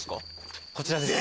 こちらです。